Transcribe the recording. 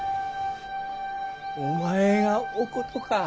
お前がおことか。